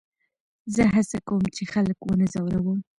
زه هڅه کوم، چي خلک و نه ځوروم.